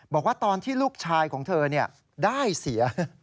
บอกว่าตอนที่ลูกชายของเธอได้เสีย